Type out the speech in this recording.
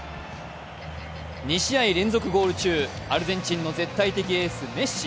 ２試合連続ゴール中、アルゼンチンの絶対王者メッシ。